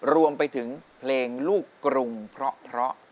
รวมไปถึงเพลงลูกกรุงเพราะ